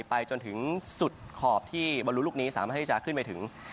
ไปจนถึงสุดขอบที่บอลลูลูกนี้สามารถที่จะขึ้นไปถึง